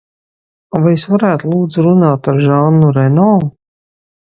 Vai es varētu, lūdzu, runāt ar Žanu Reno?